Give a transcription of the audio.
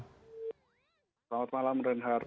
selamat malam renhar